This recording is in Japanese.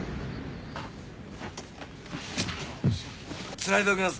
つないどきます